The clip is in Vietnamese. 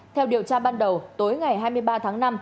theo điều tra ban đầu tối ngày hai mươi ba tháng năm